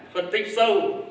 phân tích sâu